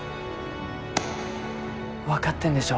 分かってんでしょ。